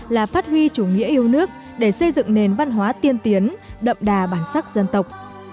là phát huy chủ nghĩa yêu nước để xây dựng nền văn hóa tiên tiến đậm đà bản sắc dân tộc